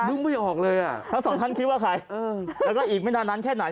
ไม่ออกเลยอ่ะทั้งสองท่านคิดว่าใครเออแล้วก็อีกไม่นานนานแค่ไหน